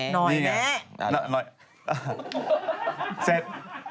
น้อยแม่น้อยเสร็จ